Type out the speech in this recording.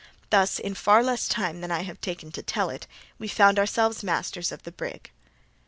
Thus, in far less time than I have taken to tell it, we found ourselves masters of the brig.